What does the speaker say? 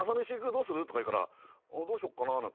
どうする？」とか言うからどうしよっかなって。